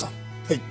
はい。